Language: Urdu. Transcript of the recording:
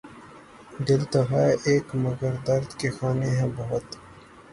دل تو ہے ایک مگر درد کے خانے ہیں بہت